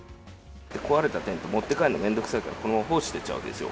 壊れたテント、持って帰るの面倒くさいから、このまま放置していっちゃうわけですよ。